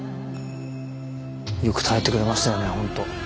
よく耐えてくれましたよね本当。